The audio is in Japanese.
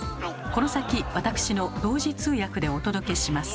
この先わたくしの同時通訳でお届けします。